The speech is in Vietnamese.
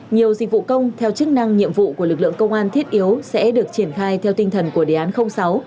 nhiều dịch vụ công theo chức năng nhiệm vụ của lực lượng công an thiết yếu sẽ được triển khai theo tinh thần của đề án sáu